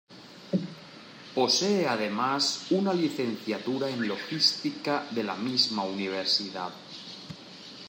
Posee además una Licenciatura en Logística de la misma universidad.